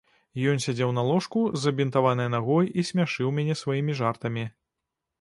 Ён сядзеў на ложку з забінтаванай нагой і смяшыў мяне сваімі жартамі.